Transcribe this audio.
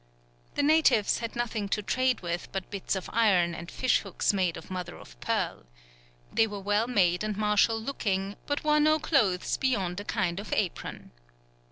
The natives had nothing to trade with but bits of iron and fish hooks made of mother of pearl. They were well made and martial looking, but wore no clothes beyond a kind of apron.